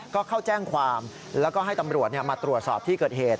ก็เข้าแจ้งความแล้วก็ให้ตำรวจมาตรวจสอบที่เกิดเหตุ